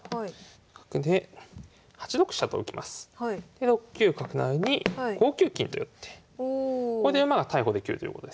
で６九角成に５九金と寄ってこれで馬が逮捕できるということですね。